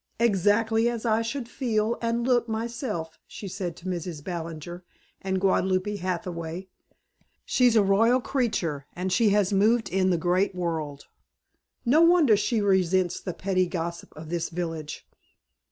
"Exactly as I should feel and look myself," she said to Mrs. Ballinger and Guadalupe Hathaway. "She's a royal creature and she has moved in the great world. No wonder she resents the petty gossip of this village."